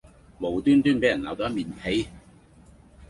無端端俾人鬧到一面屁